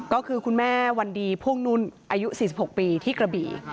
ก็คือคุณแม่วันดีพ่วงนุ่นอายุ๔๖ปีที่กระบี่